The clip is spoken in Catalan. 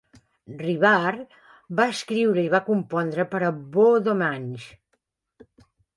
Rivard va escriure i va compondre per a Beau Dommage.